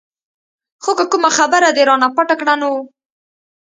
خو که کومه خبره دې رانه پټه کړه نو.